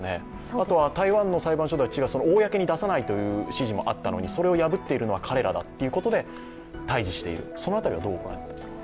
あとは台湾の裁判所では公に出さないと言っていたのに、それを破っているのは彼らだということで対じしている、その辺りはどうご覧になっていますか。